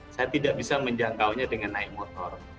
saya tidak bisa menjangkaunya dengan naik motor